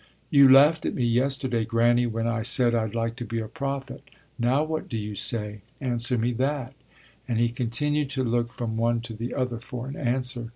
You laughed at me yesterday, Granny, when I said I'd like to be a prophet. Now what do you say? Answer me that. And he continued to look from one to the other for an answer.